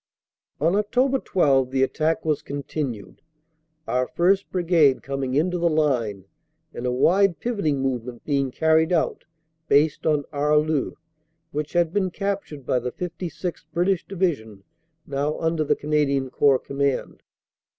On Oct. 12 the attack was continued, our 1st. Brigade com ing into the line, and a wide pivoting movement being carried out, based on Arleux, which had been captured by the 56th. British Division, now under the Canadian Corps command.